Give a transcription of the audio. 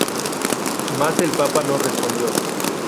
Mas el papa no respondió.